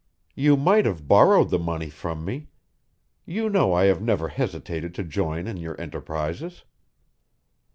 "You might have borrowed the money from me. You know I have never hesitated to join in your enterprises."